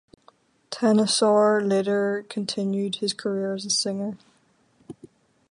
Tennosaar later continued his career as a singer.